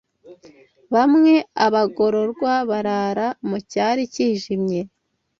Bamwe, abagororwa barara mucyari cyijimye